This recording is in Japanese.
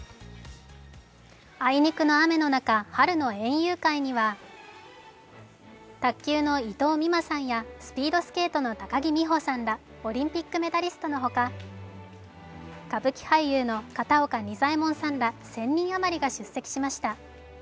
あいにくの雨の中、春の園遊会には卓球の伊藤美誠さんやスピードスケートの高木美帆さんら、オリンピックメダリストのほか歌舞伎俳優の片岡仁左衛門さんら１０００人余りが出席しました。